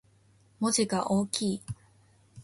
文字が大きい